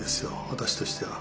私としては。